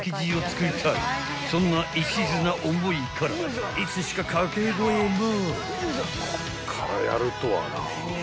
［そんないちずな思いからいつしか掛け声も］